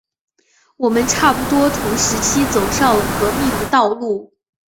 我们差不多同时期走上了革命的道路。